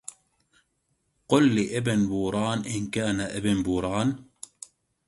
قل لابن بوران إن كان ابن بوران